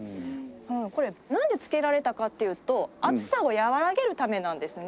これなんで付けられたかっていうと暑さを和らげるためなんですね。